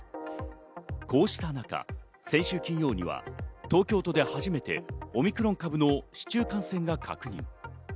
こうした中、先週金曜日は東京都で初めてオミクロン株の市中感染が確認。